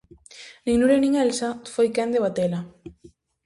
Nin Nuria nin Elsa foi quen de batela.